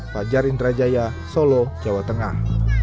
fajar indrajaya solo jawa tengah